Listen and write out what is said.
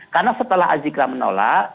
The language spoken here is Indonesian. karena setelah azikrah menolak